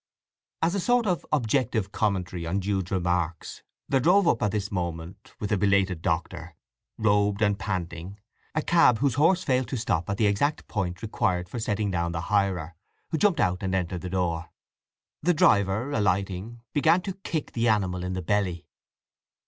As a sort of objective commentary on Jude's remarks there drove up at this moment with a belated Doctor, robed and panting, a cab whose horse failed to stop at the exact point required for setting down the hirer, who jumped out and entered the door. The driver, alighting, began to kick the animal in the belly.